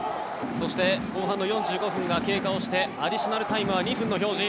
そして、後半４５分が経過をしてアディショナルタイムは２分の表示。